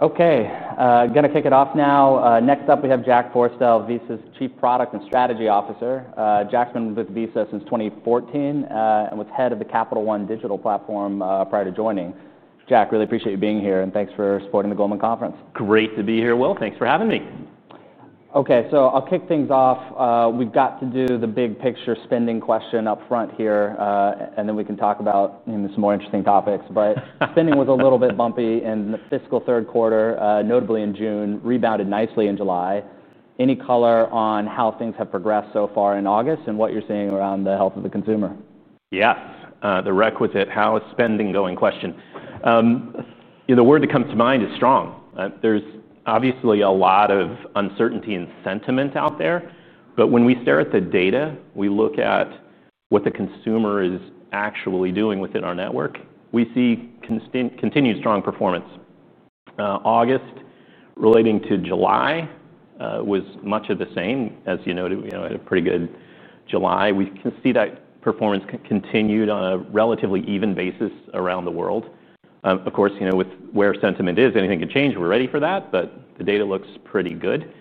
Okay, I'm going to kick it off now. Next up, we have Jack Forestell, Visa's Chief Product and Strategy Officer. Jack's been with Visa since 2014 and was head of the Capital One digital platform prior to joining. Jack, really appreciate you being here, and thanks for supporting the Goldman Conference. Great to be here, Will. Thanks for having me. Okay, I'll kick things off. We've got to do the big picture spending question up front here, and then we can talk about some more interesting topics. Spending was a little bit bumpy in the fiscal third quarter, notably in June, rebounded nicely in July. Any color on how things have progressed so far in August and what you're seeing around the health of the consumer? Yeah, the requisite how is spending going question. The word that comes to mind is strong. There's obviously a lot of uncertainty and sentiment out there, but when we stare at the data, we look at what the consumer is actually doing within our network, we see continued strong performance. August, relating to July, was much of the same, as you know, we had a pretty good July. We can see that performance continued on a relatively even basis around the world. Of course, you know with where sentiment is, anything could change. We're ready for that, but the data looks pretty good.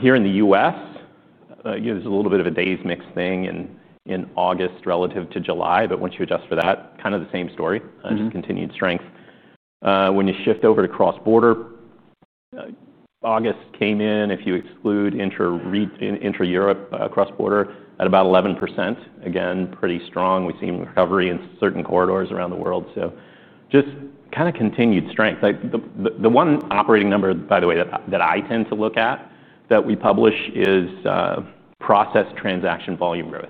Here in the U.S., there's a little bit of a days mix thing in August relative to July, but once you adjust for that, kind of the same story, just continued strength. When you shift over to cross-border, August came in, if you exclude intra-Europe cross-border, at about 11%. Again, pretty strong. We've seen recovery in certain corridors around the world. Just kind of continued strength. The one operating number, by the way, that I tend to look at that we publish is process transaction volume growth.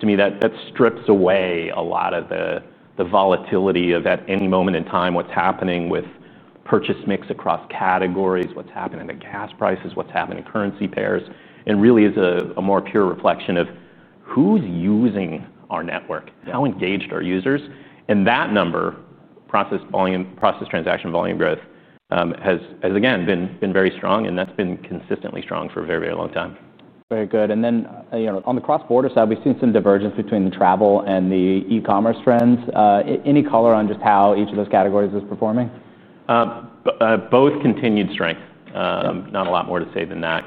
To me, that strips away a lot of the volatility of at any moment in time what's happening with purchase mix across categories, what's happening in gas prices, what's happening in currency pairs, and really is a more pure reflection of who's using our network, how engaged are users. That number, process transaction volume growth, has again been very strong, and that's been consistently strong for a very, very long time. Very good. On the cross-border side, we've seen some divergence between the travel and the e-commerce trends. Any color on just how each of those categories is performing? Both continued strength. Not a lot more to say than that.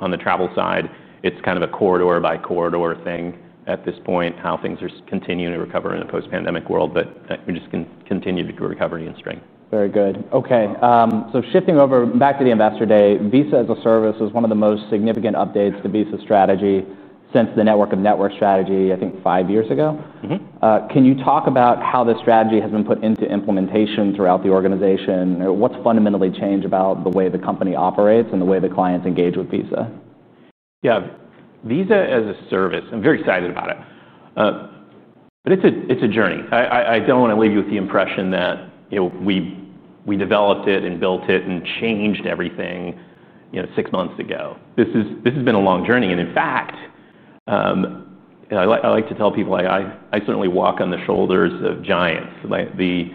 On the travel side, it's kind of a corridor by corridor thing at this point, how things are continuing to recover in the post-pandemic world, but we just continue to see recovery and strength. Very good. Okay, shifting over back to the Ambassador Day, Visa as a Service is one of the most significant updates to Visa's strategy since the network of network strategy, I think, five years ago. Can you talk about how the strategy has been put into implementation throughout the organization? What's fundamentally changed about the way the company operates and the way the clients engage with Visa? Yeah, Visa as a Service, I'm very excited about it, but it's a journey. I don't want to leave you with the impression that we developed it and built it and changed everything six months ago. This has been a long journey. In fact, I like to tell people I certainly walk on the shoulders of giants. The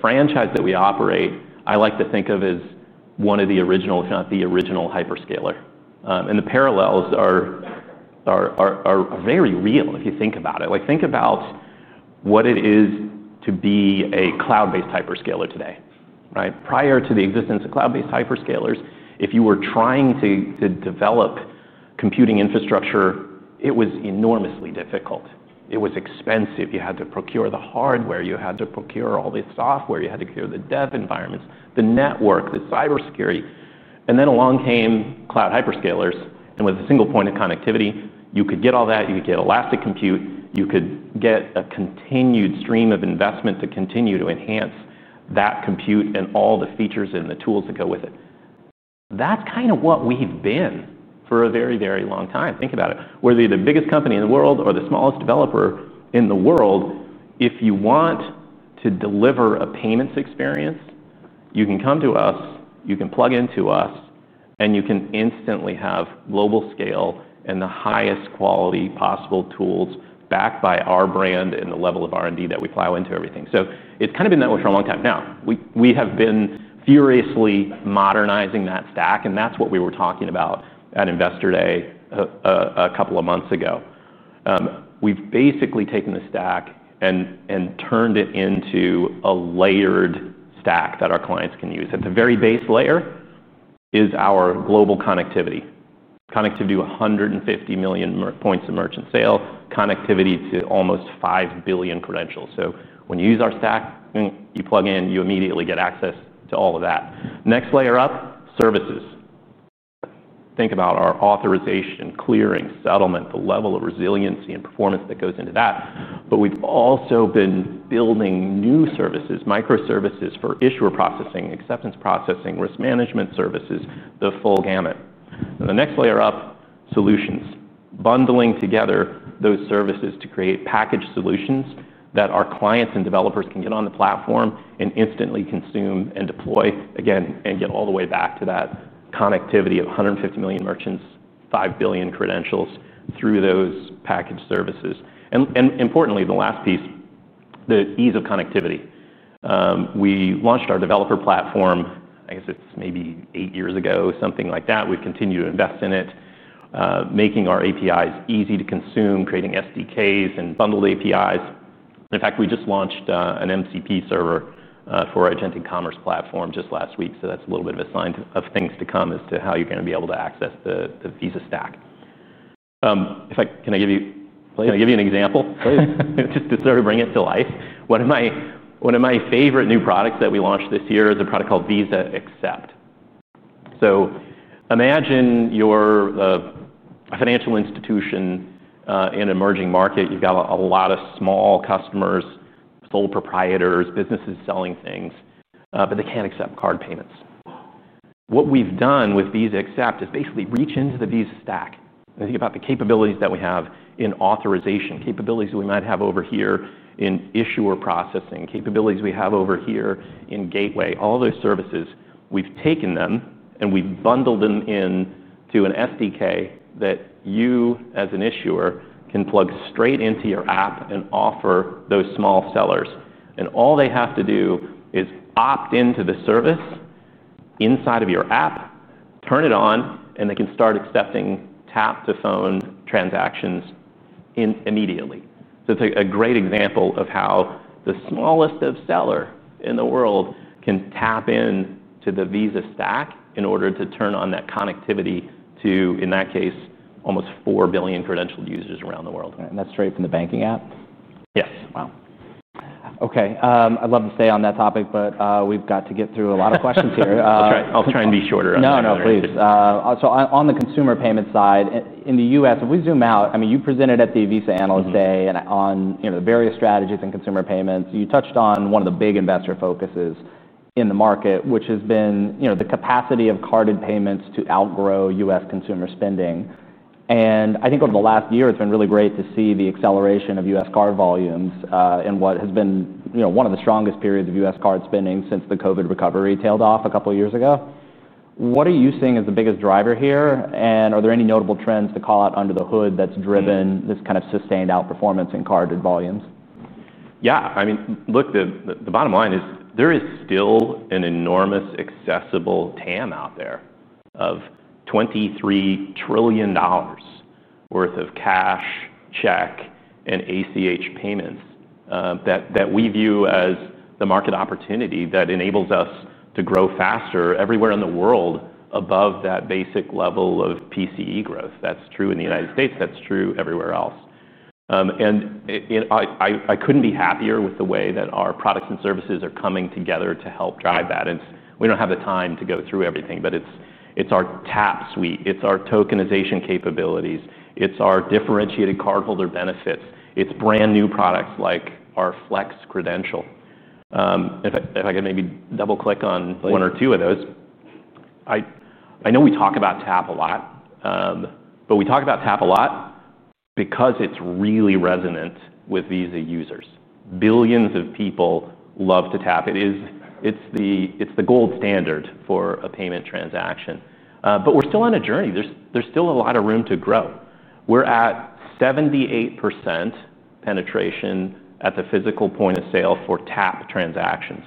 franchise that we operate, I like to think of as one of the original, if not the original, hyperscaler. The parallels are very real if you think about it. Think about what it is to be a cloud-based hyperscaler today. Prior to the existence of cloud-based hyperscalers, if you were trying to develop computing infrastructure, it was enormously difficult. It was expensive. You had to procure the hardware, you had to procure all the software, you had to procure the dev environments, the network, the cybersecurity. Along came cloud hyperscalers, and with a single point of connectivity, you could get all that, you could get elastic compute, you could get a continued stream of investment to continue to enhance that compute and all the features and the tools that go with it. That's kind of what we've been for a very, very long time. Think about it. Whether you're the biggest company in the world or the smallest developer in the world, if you want to deliver a payments experience, you can come to us, you can plug into us, and you can instantly have global scale and the highest quality possible tools backed by our brand and the level of R&D that we plow into everything. It's kind of been that way for a long time now. We have been furiously modernizing that stack, and that's what we were talking about at Ambassador Day a couple of months ago. We've basically taken the stack and turned it into a layered stack that our clients can use. At the very base layer is our global connectivity. Connectivity to 150 million points of merchant sale, connectivity to almost 5 billion credentials. When you use our stack, you plug in, you immediately get access to all of that. Next layer up, services. Think about our authorization, clearing, settlement, the level of resiliency and performance that goes into that. We've also been building new services, microservices for issuer processing, acceptance processing, risk management services, the full gamut. The next layer up, solutions. Bundling together those services to create packaged solutions that our clients and developers can get on the platform and instantly consume and deploy, again, and get all the way back to that connectivity of 150 million merchants, 5 billion credentials through those packaged services. Importantly, the last piece, the ease of connectivity. We launched our developer platform, I guess it's maybe eight years ago, something like that. We've continued to invest in it, making our APIs easy to consume, creating SDKs and bundled APIs. In fact, we just launched an MCP server for our agentic commerce platform just last week. That is a little bit of a sign of things to come as to how you're going to be able to access the Visa stack. Can I give you an example? Please. Just to sort of bring it to life, one of my favorite new products that we launched this year is a product called Visa Accept. Imagine you're a financial institution in an emerging market. You've got a lot of small customers, sole proprietors, businesses selling things, but they can't accept card payments. What we've done with Visa Accept is basically reach into the Visa stack and think about the capabilities that we have in authorization, capabilities that we might have over here in issuer processing, capabilities we have over here in gateway, all those services. We've taken them and we've bundled them into an SDK that you, as an issuer, can plug straight into your app and offer those small sellers. All they have to do is opt into the service inside of your app, turn it on, and they can start accepting tap-to-phone transactions immediately. It's a great example of how the smallest of seller in the world can tap into the Visa stack in order to turn on that connectivity to, in that case, almost 4 billion credentialed users around the world. That's straight from the banking app? Yes. Wow. Okay, I'd love to stay on that topic, but we've got to get through a lot of questions here. That's right. I'll try to be shorter. No, no, please. On the consumer payment side, in the U.S., if we zoom out, I mean, you presented at the Visa Analyst Day and on the various strategies in consumer payments, you touched on one of the big investor focuses in the market, which has been the capacity of carded payments to outgrow U.S. consumer spending. I think over the last year, it's been really great to see the acceleration of U.S. card volumes and what has been one of the strongest periods of U.S. card spending since the COVID recovery tailed off a couple of years ago. What are you seeing as the biggest driver here? Are there any notable trends to call out under the hood that's driven this kind of sustained outperformance in carded volumes? Yeah, I mean, look, the bottom line is there is still an enormous accessible TAM out there of $23 trillion worth of cash, check, and ACH payments that we view as the market opportunity that enables us to grow faster everywhere in the world above that basic level of PCE growth. That's true in the U.S., that's true everywhere else. I couldn't be happier with the way that our products and services are coming together to help drive that. We don't have the time to go through everything, but it's our TAP suite, it's our tokenization capabilities, it's our differentiated cardholder benefits, it's brand new products like our Flex credential. If I could maybe double click on one or two of those. I know we talk about TAP a lot, but we talk about TAP a lot because it's really resonant with Visa users. Billions of people love to tap. It's the gold standard for a payment transaction. We're still on a journey. There's still a lot of room to grow. We're at 78% penetration at the physical point of sale for TAP transactions.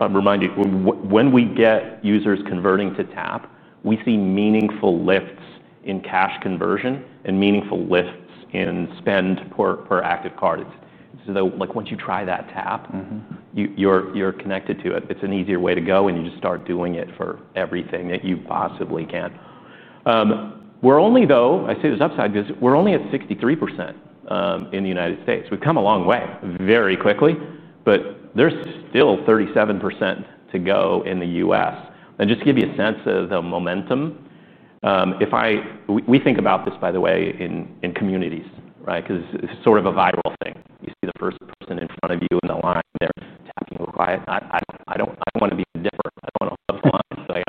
I'll remind you, when we get users converting to TAP, we see meaningful lifts in cash conversion and meaningful lifts in spend per active cardage. Once you try that TAP, you're connected to it. It's an easier way to go, and you just start doing it for everything that you possibly can. I say there's upside because we're only at 63% in the U.S. We've come a long way very quickly, but there's still 37% to go in the U.S. Just to give you a sense of the momentum, if we think about this, by the way, in communities, right? Because it's sort of a viral thing. You see the first person in front of you in the line, they're talking quiet. I don't want to be the devil. I don't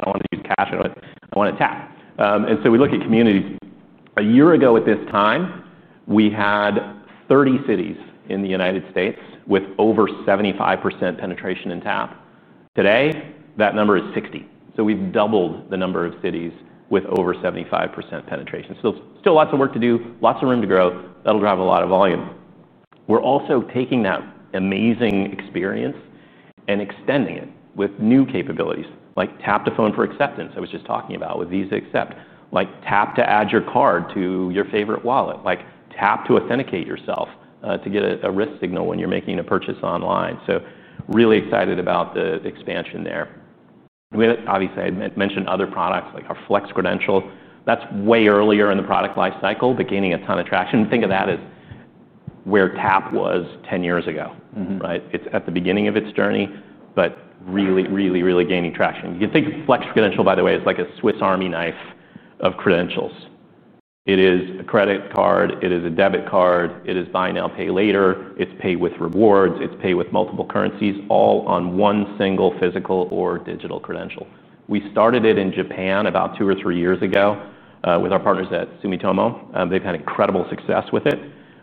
want to be the cash. I want to tap. We look at communities. A year ago at this time, we had 30 cities in the U.S. with over 75% penetration in TAP. Today, that number is 60. We've doubled the number of cities with over 75% penetration. Still lots of work to do, lots of room to grow. That'll drive a lot of volume. We're also taking that amazing experience and extending it with new capabilities like tap-to-phone for acceptance I was just talking about with Visa Accept, like tap to add your card to your favorite wallet, like tap to authenticate yourself to get a risk signal when you're making a purchase online. Really excited about the expansion there. We obviously had mentioned other products like our Flex credential. That's way earlier in the product lifecycle, but gaining a ton of traction. Think of that as where tap was 10 years ago. It's at the beginning of its journey, but really, really, really gaining traction. You can think of Flex credential, by the way, as like a Swiss Army knife of credentials. It is a credit card, it is a debit card, it is buy now, pay later, it's paid with rewards, it's paid with multiple currencies, all on one single physical or digital credential. We started it in Japan about two or three years ago with our partners at Sumitomo Mitsui Banking Corporation. They've had incredible success with it.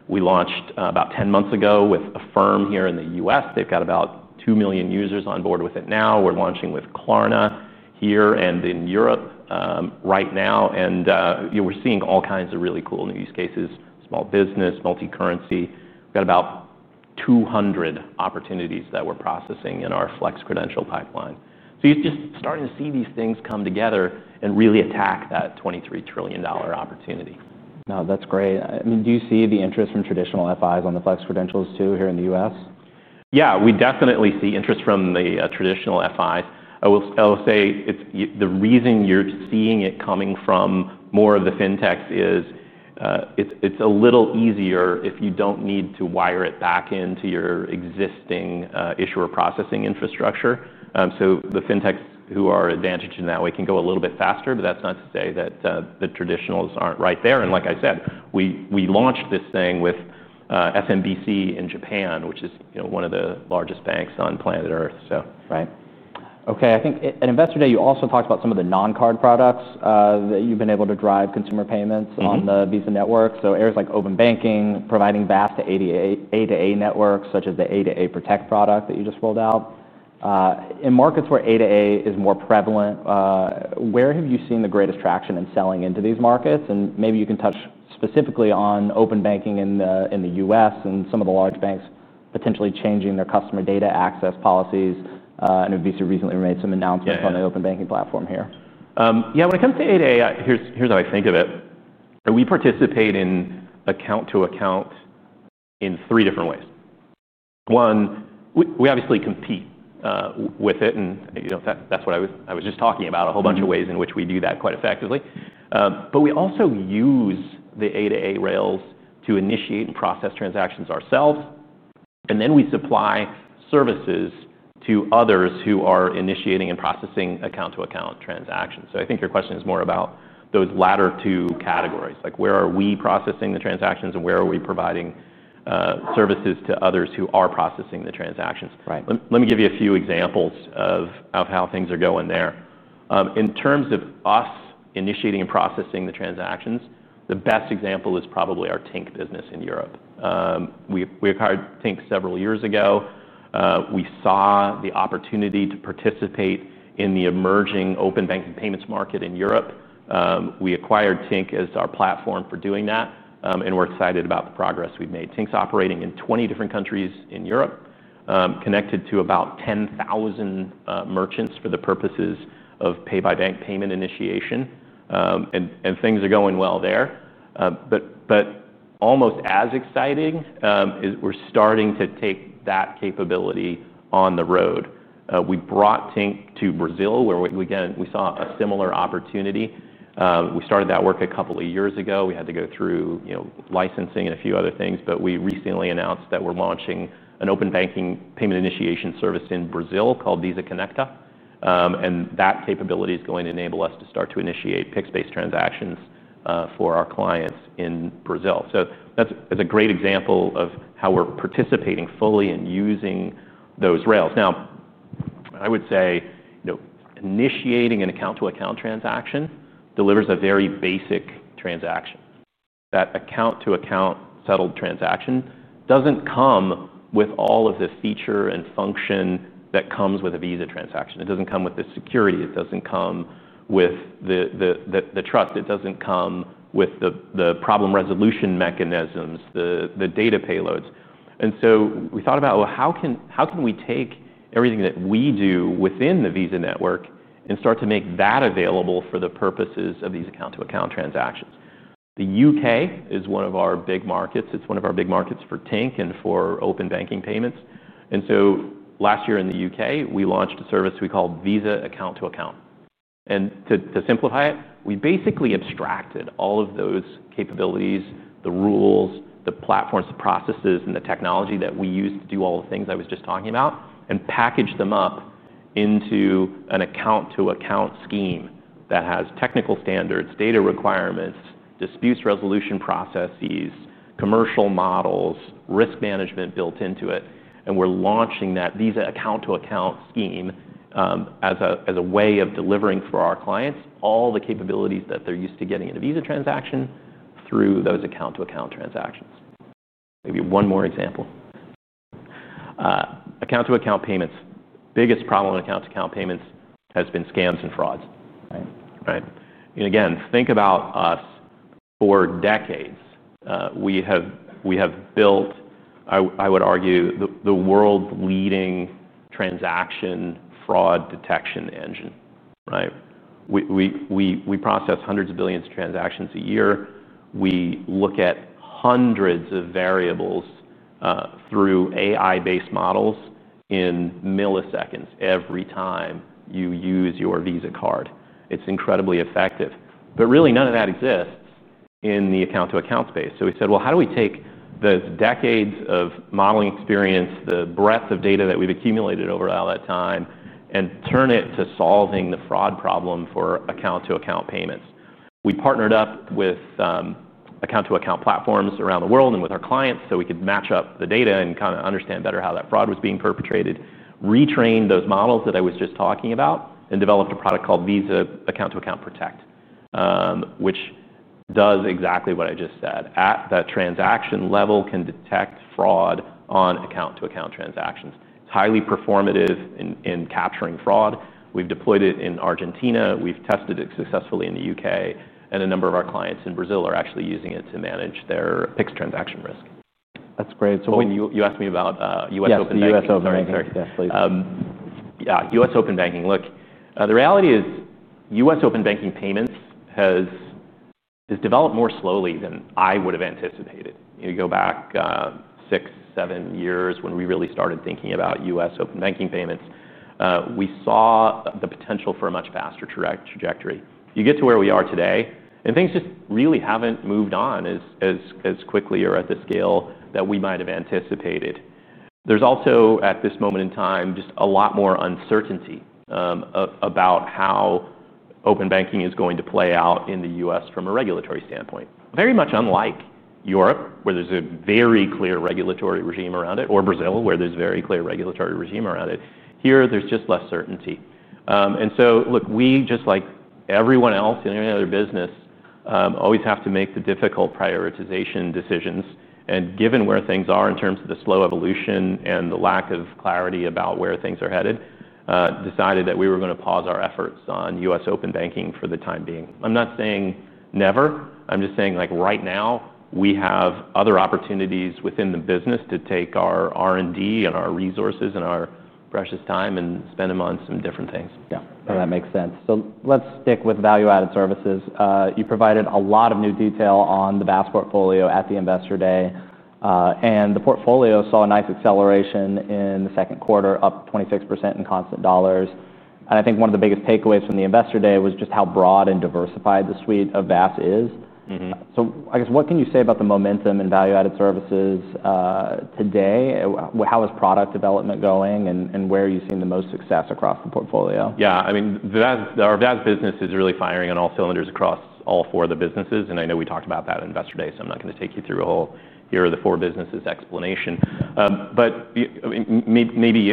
We launched about 10 months ago with a firm here in the U.S. They've got about 2 million users on board with it now. We're launching with Klarna here and in Europe right now. We're seeing all kinds of really cool new use cases, small business, multi-currency. We've got about 200 opportunities that we're processing in our Flex credential pipeline. You're just starting to see these things come together and really attack that $23 trillion opportunity. No, that's great. I mean, do you see the interest from traditional FIs on the Flex credential too here in the U.S.? Yeah, we definitely see interest from the traditional FIs. I will say the reason you're seeing it coming from more of the fintechs is it's a little easier if you don't need to wire it back into your existing issuer processing infrastructure. The fintechs who are advantaged in that way can go a little bit faster, but that's not to say that the traditionals aren't right there. Like I said, we launched this thing with Sumitomo Mitsui Banking Corporation in Japan, which is one of the largest banks on planet Earth. Right. Okay, I think at Ambassador Day, you also talked about some of the non-card products that you've been able to drive consumer payments on the Visa network. Areas like open banking, providing VAS to A2A networks, such as the Visa Account to Account Protect product that you just rolled out. In markets where A2A is more prevalent, where have you seen the greatest traction in selling into these markets? Maybe you can touch specifically on open banking in the U.S. and some of the large banks potentially changing their customer data access policies. I know Visa recently made some announcements on the open banking platform here. Yeah, when it comes to A2A, here's how I think of it. We participate in account-to-account in three different ways. One, we obviously compete with it, and you know that's what I was just talking about, a whole bunch of ways in which we do that quite effectively. We also use the A2A rails to initiate and process transactions ourselves. We supply services to others who are initiating and processing account-to-account transactions. I think your question is more about those latter two categories, like where are we processing the transactions and where are we providing services to others who are processing the transactions. Let me give you a few examples of how things are going there. In terms of us initiating and processing the transactions, the best example is probably our Tink business in Europe. We acquired Tink several years ago. We saw the opportunity to participate in the emerging open banking payments market in Europe. We acquired Tink as our platform for doing that, and we're excited about the progress we've made. Tink's operating in 20 different countries in Europe, connected to about 10,000 merchants for the purposes of pay by bank payment initiation, and things are going well there. Almost as exciting, we're starting to take that capability on the road. We brought Tink to Brazil, where we saw a similar opportunity. We started that work a couple of years ago. We had to go through licensing and a few other things, but we recently announced that we're launching an open banking payment initiation service in Brazil called Visa Conecta. That capability is going to enable us to start to initiate PIX-based transactions for our clients in Brazil. That's a great example of how we're participating fully and using those rails. I would say initiating an account to account transaction delivers a very basic transaction. That account to account settled transaction doesn't come with all of the feature and function that comes with a Visa transaction. It doesn't come with the security. It doesn't come with the trust. It doesn't come with the problem resolution mechanisms, the data payloads. We thought about, how can we take everything that we do within the Visa network and start to make that available for the purposes of these account to account transactions? The UK is one of our big markets. It's one of our big markets for Tink and for open banking payments. Last year in the UK, we launched a service we called Visa Account to Account. To simplify it, we basically abstracted all of those capabilities, the rules, the platforms, the processes, and the technology that we use to do all the things I was just talking about and packaged them up into an account to account scheme that has technical standards, data requirements, dispute resolution processes, commercial models, risk management built into it. We're launching that Visa account to account scheme as a way of delivering for our clients all the capabilities that they're used to getting in a Visa transaction through those account to account transactions. Maybe one more example. Account to account payments. Biggest problem with account to account payments has been scams and frauds. Right. Right. Again, think about us. For decades, we have built, I would argue, the world's leading transaction fraud detection engine. We process hundreds of billions of transactions a year. We look at hundreds of variables through AI-based models in milliseconds every time you use your Visa card. It's incredibly effective. Really, none of that exists in the account to account space. We said, how do we take those decades of modeling experience, the breadth of data that we've accumulated over all that time, and turn it to solving the fraud problem for account to account payments? We partnered up with account to account platforms around the world and with our clients so we could match up the data and kind of understand better how that fraud was being perpetrated, retrained those models that I was just talking about, and developed a product called Visa Account to Account Protect, which does exactly what I just said. At that transaction level, it can detect fraud on account to account transactions. It's highly performative in capturing fraud. We've deployed it in Argentina. We've tested it successfully in the UK. A number of our clients in Brazil are actually using it to manage their PIX transaction risk. That's great. When you asked me about U.S. open banking. U.S. open banking, yes, please. Yeah, U.S. open banking. Look, the reality is U.S. open banking payments has developed more slowly than I would have anticipated. You go back six, seven years when we really started thinking about U.S. open banking payments, we saw the potential for a much faster trajectory. You get to where we are today, and things just really haven't moved on as quickly or at the scale that we might have anticipated. There's also, at this moment in time, just a lot more uncertainty about how open banking is going to play out in the U.S. from a regulatory standpoint. Very much unlike Europe, where there's a very clear regulatory regime around it, or Brazil, where there's a very clear regulatory regime around it. Here, there's just less certainty. We, just like everyone else, any other business, always have to make the difficult prioritization decisions. Given where things are in terms of the slow evolution and the lack of clarity about where things are headed, we decided that we were going to pause our efforts on U.S. open banking for the time being. I'm not saying never. I'm just saying like right now, we have other opportunities within the business to take our R&D and our resources and our precious time and spend them on some different things. Yeah, that makes sense. Let's stick with value-added services. You provided a lot of new detail on the VAS portfolio at the Ambassador Day. The portfolio saw a nice acceleration in the second quarter, up 26% in constant dollars. I think one of the biggest takeaways from the Ambassador Day was just how broad and diversified the suite of VAS is. What can you say about the momentum in value-added services today? How is product development going? Where are you seeing the most success across the portfolio? Yeah, I mean, our VAS business is really firing on all cylinders across all four of the businesses. I know we talked about that at Ambassador Day, so I'm not going to take you through a whole year of the four businesses explanation. Maybe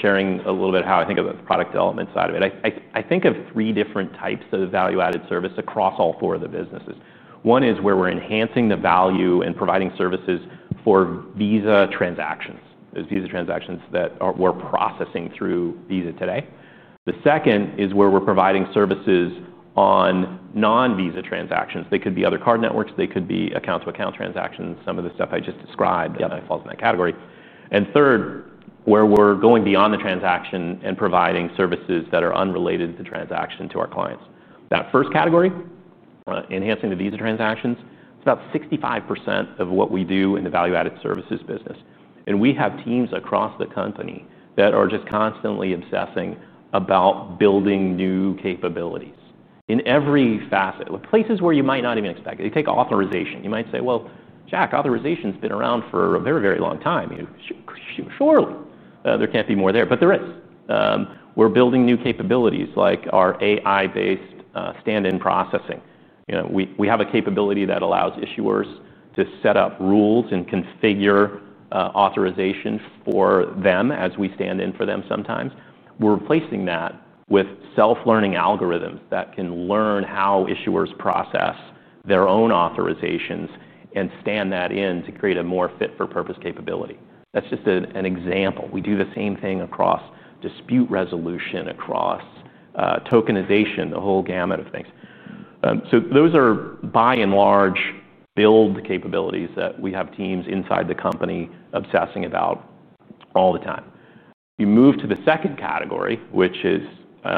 sharing a little bit of how I think about the product development side of it. I think of three different types of value-added service across all four of the businesses. One is where we're enhancing the value and providing services for Visa transactions, those Visa transactions that we're processing through Visa today. The second is where we're providing services on non-Visa transactions. They could be other card networks. They could be account-to-account transactions, some of the stuff I just described that falls in that category. Third, where we're going beyond the transaction and providing services that are unrelated to the transaction to our clients. That first category, enhancing the Visa transactions, it's about 65% of what we do in the value-added services business. We have teams across the company that are just constantly obsessing about building new capabilities in every facet, places where you might not even expect it. You take authorization. You might say, Jack, authorization's been around for a very, very long time. Surely there can't be more there, but there is. We're building new capabilities like our AI-based stand-in processing. We have a capability that allows issuers to set up rules and configure authorization for them as we stand in for them sometimes. We're replacing that with self-learning algorithms that can learn how issuers process their own authorizations and stand that in to create a more fit-for-purpose capability. That's just an example. We do the same thing across dispute resolution, across tokenization, the whole gamut of things. Those are, by and large, build capabilities that we have teams inside the company obsessing about all the time. You move to the second category, which is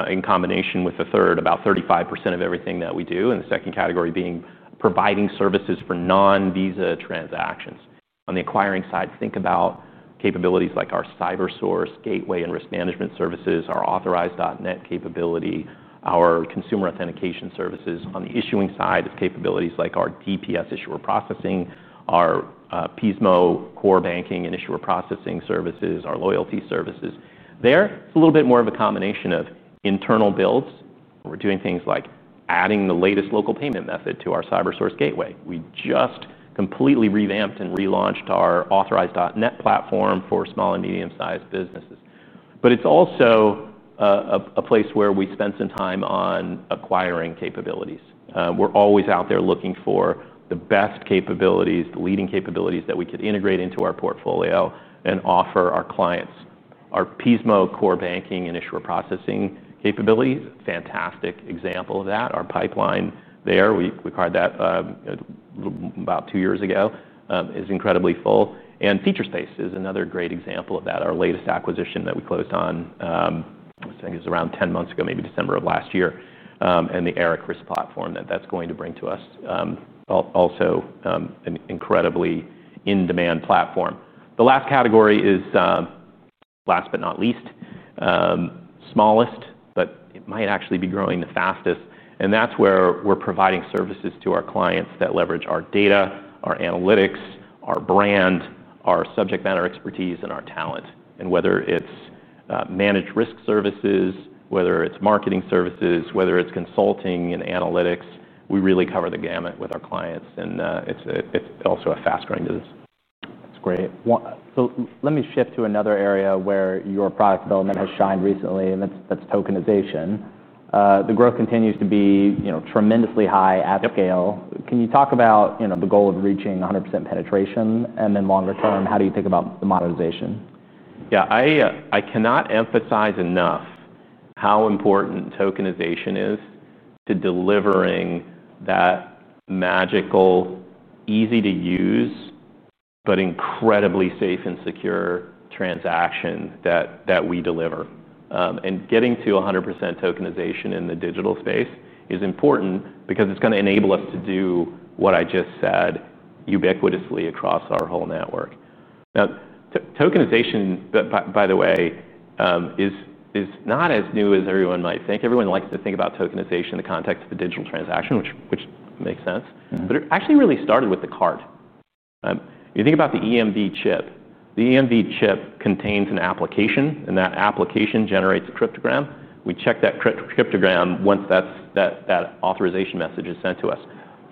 in combination with the third, about 35% of everything that we do, and the second category being providing services for non-Visa transactions. On the acquiring side, think about capabilities like our Cybersource gateway and risk management services, our Authorize.net capability, our consumer authentication services. On the issuing side, it's capabilities like our DPS issuer processing, our Pismo core banking and issuer processing services, our loyalty services. There, it's a little bit more of a combination of internal builds. We're doing things like adding the latest local payment method to our Cybersource gateway. We just completely revamped and relaunched our Authorize.net platform for small and medium-sized businesses. It's also a place where we spend some time on acquiring capabilities. We're always out there looking for the best capabilities, the leading capabilities that we could integrate into our portfolio and offer our clients. Our Pismo core banking and issuer processing capabilities, a fantastic example of that. Our pipeline there, we acquired that about two years ago, is incredibly full. Featurespace is another great example of that. Our latest acquisition that we closed on, I think it was around 10 months ago, maybe December of last year, and the Eracris platform that that's going to bring to us, also an incredibly in-demand platform. The last category is last but not least, smallest, but it might actually be growing the fastest. That's where we're providing services to our clients that leverage our data, our analytics, our brand, our subject matter expertise, and our talent. Whether it's managed risk services, marketing services, or consulting and analytics, we really cover the gamut with our clients. It's also a fast growing business. That's great. Let me shift to another area where your product development has shined recently, and that's tokenization. The growth continues to be tremendously high at scale. Can you talk about the goal of reaching 100% penetration? Then longer term, how do you think about the modernization? Yeah, I cannot emphasize enough how important tokenization is to delivering that magical, easy-to-use, but incredibly safe and secure transaction that we deliver. Getting to 100% tokenization in the digital space is important because it's going to enable us to do what I just said ubiquitously across our whole network. Now, tokenization, by the way, is not as new as everyone might think. Everyone likes to think about tokenization in the context of a digital transaction, which makes sense. It actually really started with the card. You think about the EMV chip. The EMV chip contains an application, and that application generates a cryptogram. We check that cryptogram once that authorization message is sent to us.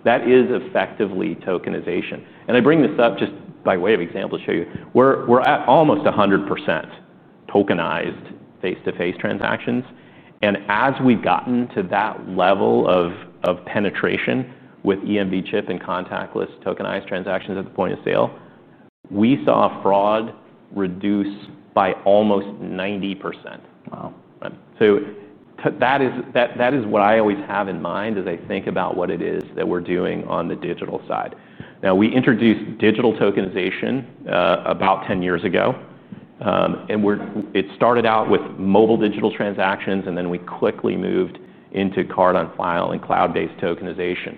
That is effectively tokenization. I bring this up just by way of example to show you. We're at almost 100% tokenized face-to-face transactions. As we've gotten to that level of penetration with EMV chip and contactless tokenized transactions at the point of sale, we saw fraud reduce by almost 90%. Wow. That is what I always have in mind as I think about what it is that we're doing on the digital side. We introduced digital tokenization about 10 years ago. It started out with mobile digital transactions, and then we quickly moved into card on file and cloud-based tokenization.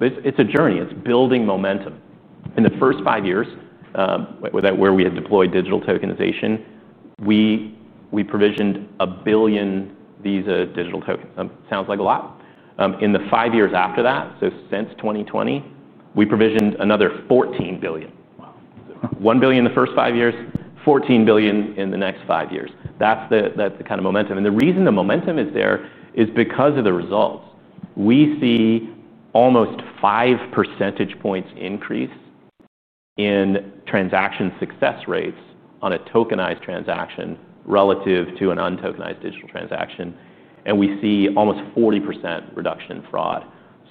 It is a journey. It is building momentum. In the first five years, where we had deployed digital tokenization, we provisioned 1 billion Visa digital tokens. Sounds like a lot. In the five years after that, so since 2020, we provisioned another 14 billion. 1 billion in the first five years, 14 billion in the next five years. That is the kind of momentum. The reason the momentum is there is because of the results. We see almost 5% increase in transaction success rates on a tokenized transaction relative to an untokenized digital transaction. We see almost 40% reduction in fraud.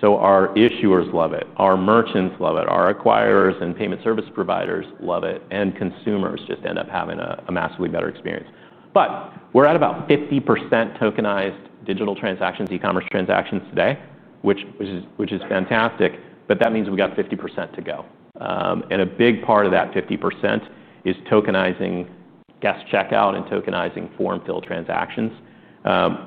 Our issuers love it. Our merchants love it. Our acquirers and payment service providers love it. Consumers just end up having a massively better experience. We are at about 50% tokenized digital transactions, e-commerce transactions today, which is fantastic. That means we've got 50% to go. A big part of that 50% is tokenizing guest checkout and tokenizing form-fill transactions.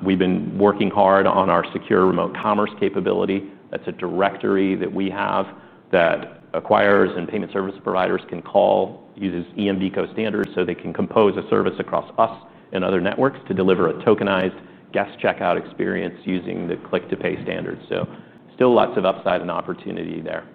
We have been working hard on our secure remote commerce capability. That is a directory that we have that acquirers and payment service providers can call, uses EMV code standards so they can compose a service across us and other networks to deliver a tokenized guest checkout experience using the click-to-pay standards. There is still lots of upside and opportunity there.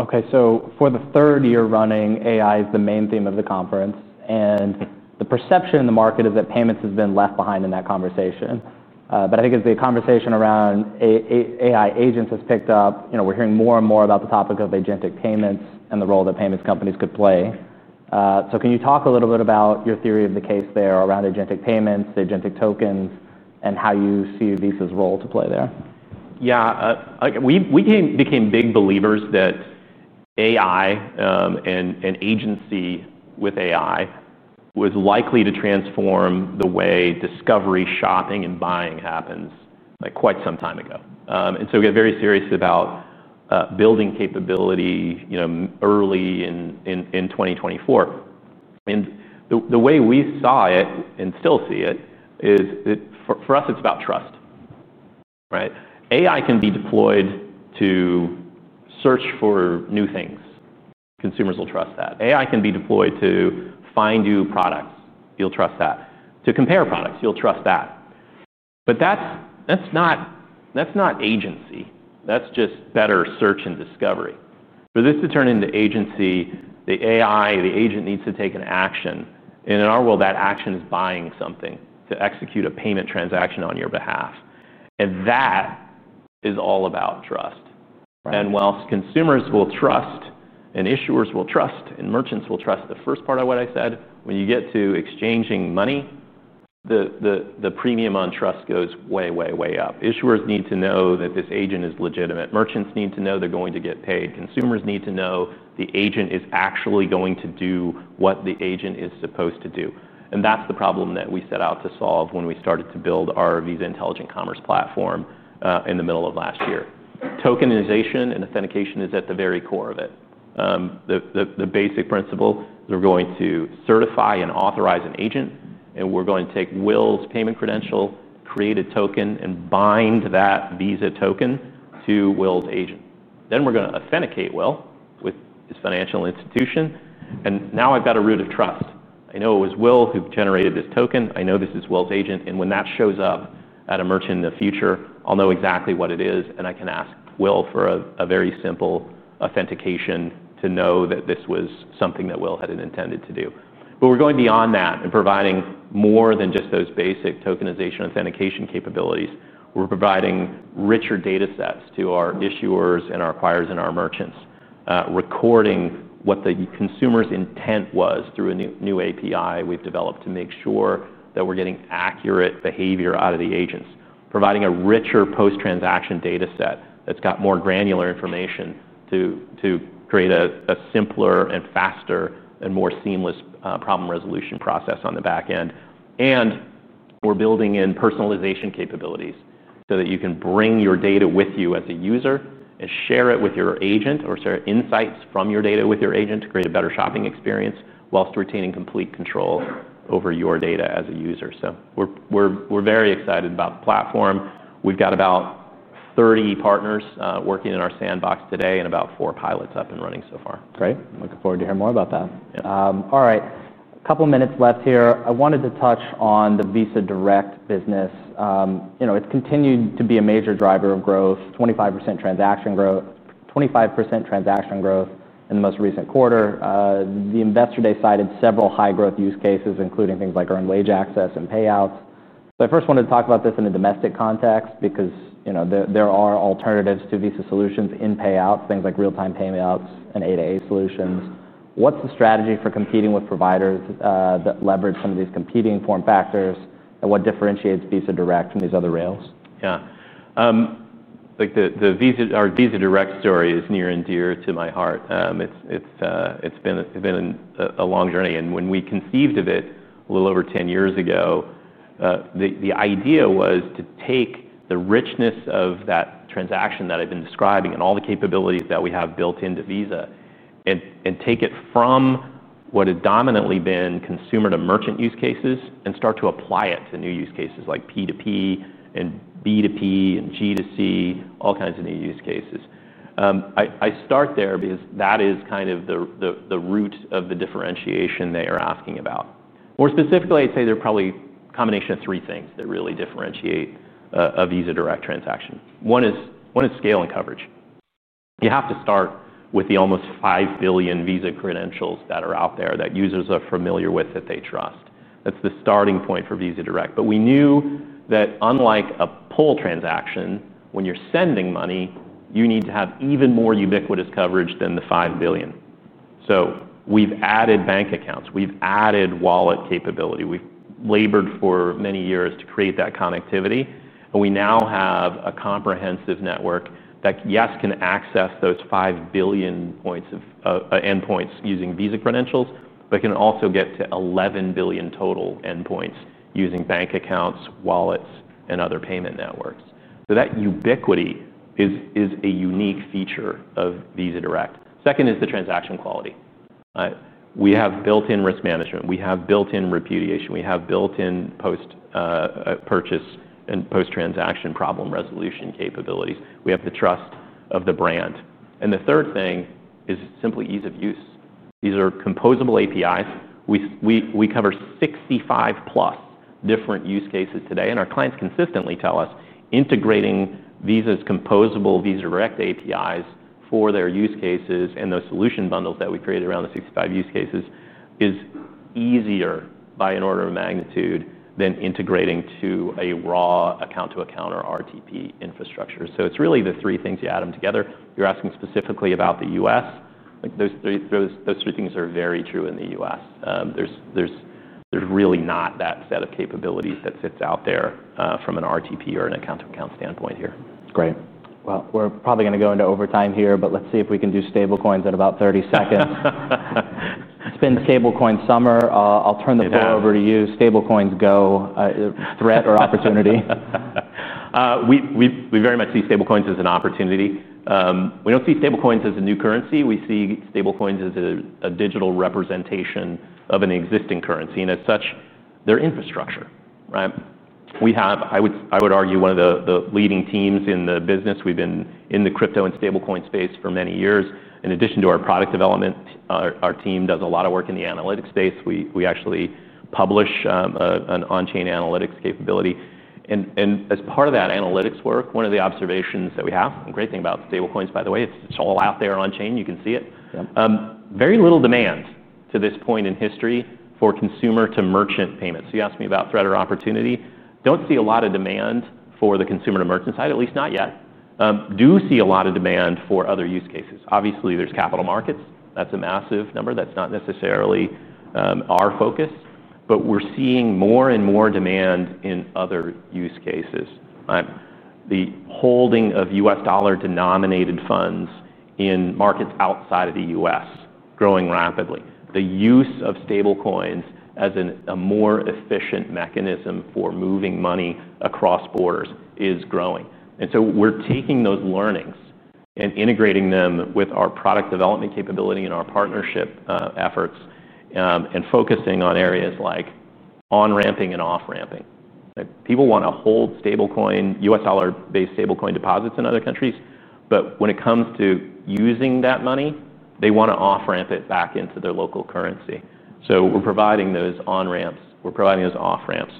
Okay, for the third year running, AI is the main theme of the conference. The perception in the market is that payments have been left behind in that conversation. I think as the conversation around AI agents has picked up, we're hearing more and more about the topic of agentic payments and the role that payments companies could play. Can you talk a little bit about your theory of the case there around agentic payments, agentic tokens, and how you see Visa's role to play there? Yeah, we became big believers that AI and agency with AI was likely to transform the way discovery, shopping, and buying happened quite some time ago. We got very serious about building capability early in 2024. The way we saw it and still see it is that for us, it's about trust. AI can be deployed to search for new things. Consumers will trust that. AI can be deployed to find new products. You'll trust that. To compare products, you'll trust that. That's not agency. That's just better search and discovery. For this to turn into agency, the AI, the agent needs to take an action. In our world, that action is buying something to execute a payment transaction on your behalf. That is all about trust. Whilst consumers will trust and issuers will trust and merchants will trust the first part of what I said, when you get to exchanging money, the premium on trust goes way, way, way up. Issuers need to know that this agent is legitimate. Merchants need to know they're going to get paid. Consumers need to know the agent is actually going to do what the agent is supposed to do. That's the problem that we set out to solve when we started to build our Visa Intelligent Commerce platform in the middle of last year. Tokenization and authentication is at the very core of it. The basic principle is we're going to certify and authorize an agent, and we're going to take Will's payment credential, create a token, and bind that Visa token to Will's agent. Then we're going to authenticate Will with his financial institution. Now I've got a root of trust. I know it was Will who generated this token. I know this is Will's agent. When that shows up at a merchant in the future, I'll know exactly what it is, and I can ask Will for a very simple authentication to know that this was something that Will had intended to do. We're going beyond that and providing more than just those basic tokenization authentication capabilities. We're providing richer data sets to our issuers and our acquirers and our merchants, recording what the consumer's intent was through a new API we've developed to make sure that we're getting accurate behavior out of the agents, providing a richer post-transaction data set that's got more granular information to create a simpler and faster and more seamless problem resolution process on the back end. We're building in personalization capabilities so that you can bring your data with you as a user and share it with your agent or share insights from your data with your agent to create a better shopping experience whilst retaining complete control over your data as a user. We're very excited about the platform. We've got about 30 partners working in our sandbox today and about four pilots up and running so far. Great. I'm looking forward to hearing more about that. All right. A couple of minutes left here. I wanted to touch on the Visa Direct business. It's continued to be a major driver of growth, 25% transaction growth, 25% transaction growth in the most recent quarter. The Ambassador Day cited several high-growth use cases, including things like earned wage access and payouts. I first wanted to talk about this in a domestic context because there are alternatives to Visa solutions in payouts, things like real-time payments and A2A solutions. What's the strategy for competing with providers that leverage some of these competing form factors? What differentiates Visa Direct from these other rails? Yeah. Our Visa Direct story is near and dear to my heart. It's been a long journey. When we conceived of it a little over 10 years ago, the idea was to take the richness of that transaction that I've been describing and all the capabilities that we have built into Visa and take it from what had dominantly been consumer-to-merchant use cases and start to apply it to new use cases like P2P and B2P and G2C, all kinds of new use cases. I start there because that is kind of the root of the differentiation they are asking about. More specifically, I'd say there are probably a combination of three things that really differentiate a Visa Direct transaction. One is scale and coverage. You have to start with the almost 5 billion Visa credentials that are out there that users are familiar with, that they trust. That's the starting point for Visa Direct. We knew that unlike a pull transaction, when you're sending money, you need to have even more ubiquitous coverage than the 5 billion. We have added bank accounts. We have added wallet capability. We have labored for many years to create that connectivity. We now have a comprehensive network that, yes, can access those 5 billion points of endpoints using Visa credentials, but can also get to 11 billion total endpoints using bank accounts, wallets, and other payment networks. That ubiquity is a unique feature of Visa Direct. Second is the transaction quality. We have built-in risk management. We have built-in repudiation. We have built-in post-purchase and post-transaction problem resolution capabilities. We have the trust of the brand. The third thing is simply ease of use. These are composable APIs. We cover 65+ different use cases today. Our clients consistently tell us integrating Visa's composable Visa Direct APIs for their use cases and those solution bundles that we created around the 65 use cases is easier by an order of magnitude than integrating to a raw account-to-account or RTP infrastructure. It's really the three things, you add them together. You're asking specifically about the U.S. Those three things are very true in the U.S. There's really not that set of capabilities that sits out there from an RTP or an account-to-account standpoint here. Great. We're probably going to go into overtime here, but let's see if we can do stablecoins in about 30 seconds. It's been stablecoin summer. I'll turn the floor over to you. Stablecoins, go, threat or opportunity. We very much see stablecoins as an opportunity. We don't see stablecoins as a new currency. We see stablecoins as a digital representation of an existing currency, and it's such their infrastructure. Right? We have, I would argue, one of the leading teams in the business. We've been in the crypto and stablecoin space for many years. In addition to our product development, our team does a lot of work in the analytics space. We actually publish an on-chain analytics capability. As part of that analytics work, one of the observations that we have, a great thing about stablecoins, by the way, it's all out there on chain. You can see it. Very little demand to this point in history for consumer-to-merchant payments. You asked me about threat or opportunity. Don't see a lot of demand for the consumer-to-merchant side, at least not yet. Do see a lot of demand for other use cases. Obviously, there's capital markets. That's a massive number. That's not necessarily our focus. We're seeing more and more demand in other use cases. The holding of U.S. dollar denominated funds in markets outside of the U.S. is growing rapidly. The use of stablecoins as a more efficient mechanism for moving money across borders is growing. We're taking those learnings and integrating them with our product development capability and our partnership efforts, focusing on areas like on-ramping and off-ramping. People want to hold stablecoin, U.S. dollar-based stablecoin deposits in other countries. When it comes to using that money, they want to off-ramp it back into their local currency. We're providing those on-ramps. We're providing those off-ramps.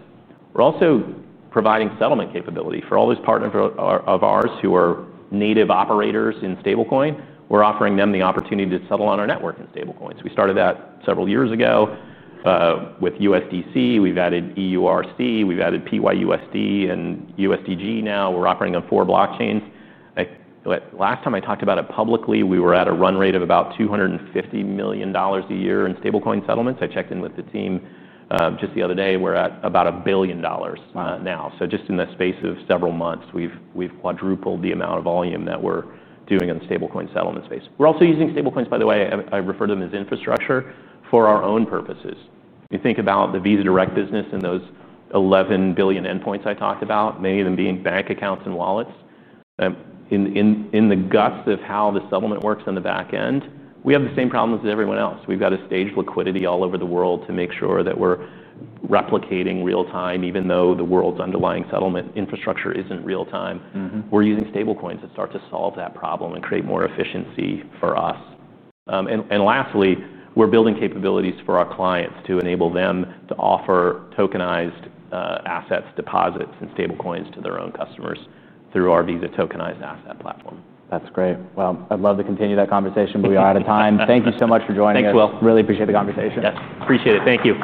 We're also providing settlement capability for all those partners of ours who are native operators in stablecoin. We're offering them the opportunity to settle on our network in stablecoins. We started that several years ago with USDC. We've added EURC. We've added PYUSD and USDG now. We're operating on four blockchains. Last time I talked about it publicly, we were at a run rate of about $250 million a year in stablecoin settlements. I checked in with the team just the other day. We're at about $1 billion now. In the space of several months, we've quadrupled the amount of volume that we're doing on the stablecoin settlement space. We're also using stablecoins, by the way, I refer to them as infrastructure, for our own purposes. You think about the Visa Direct business and those 11 billion endpoints I talked about, many of them being bank accounts and wallets. In the guts of how the settlement works on the back end, we have the same problems as everyone else. We've got to stage liquidity all over the world to make sure that we're replicating real time, even though the world's underlying settlement infrastructure isn't real time. We're using stablecoins to start to solve that problem and create more efficiency for us. Lastly, we're building capabilities for our clients to enable them to offer tokenized assets, deposits, and stablecoins to their own customers through our Visa tokenized asset platform. That's great. I’d love to continue that conversation, but we are out of time. Thank you so much for joining us. Thanks, Will. Really appreciate the conversation. Appreciate it. Thank you.